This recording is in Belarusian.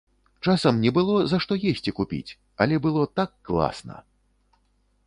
Часам не было, за што есці купіць, але было так класна!